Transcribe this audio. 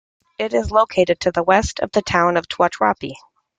It is located to the west of the town of Tuatapere.